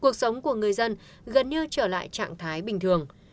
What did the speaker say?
cuộc sống của người dân gần như trở lại trạng thái bình thường